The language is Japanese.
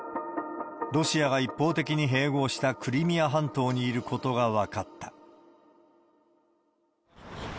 ロシアが一方的に併合したクリミア半島にいることが分かった。